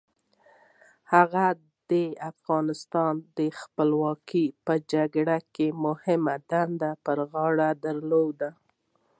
هغه د افغانستان د خپلواکۍ په جګړه کې مهمه دنده په غاړه درلوده.